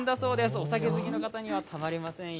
お酒好きの方にはたまりませんよ